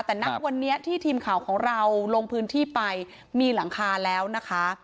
แต่ณวันนี้ที่ทีมข่าวของเราลงพื้นที่ไปมีหลังคาแล้วนะคะ